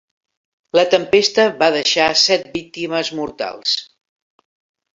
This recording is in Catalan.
La tempesta va deixar set víctimes mortals.